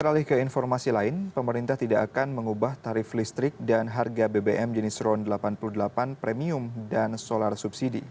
beralih ke informasi lain pemerintah tidak akan mengubah tarif listrik dan harga bbm jenis ron delapan puluh delapan premium dan solar subsidi